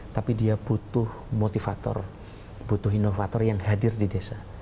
tapi dia butuh motivator butuh inovator yang hadir di desa